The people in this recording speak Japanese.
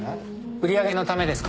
売り上げのためですか？